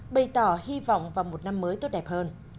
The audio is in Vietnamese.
bày tỏ hy vọng vào một năm mới tốt đẹp hơn